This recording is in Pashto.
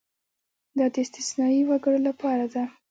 دا د استثنايي وګړو لپاره ده.